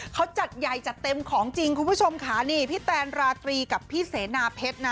เขาจัดใหญ่จัดเต็มของจริงคุณผู้ชมค่ะนี่พี่แตนราตรีกับพี่เสนาเพชรนะ